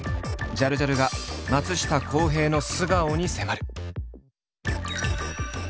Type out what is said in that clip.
ジャルジャルが松下洸平の素顔に迫る。